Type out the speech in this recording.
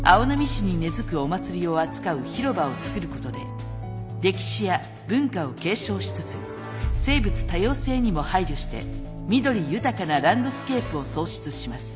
市に根づくお祭りを扱う広場を作ることで歴史や文化を継承しつつ生物多様性にも配慮して緑豊かなランドスケープを創出します。